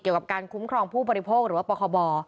กับการคุ้มครองผู้บริโภคหรือว่าปคบ